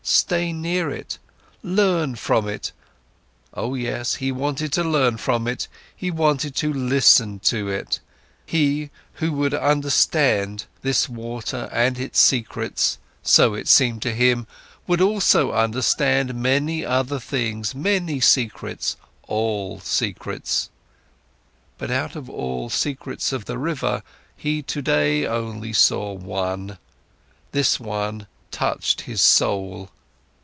Stay near it! Learn from it! Oh yes, he wanted to learn from it, he wanted to listen to it. He who would understand this water and its secrets, so it seemed to him, would also understand many other things, many secrets, all secrets. But out of all secrets of the river, he today only saw one, this one touched his soul.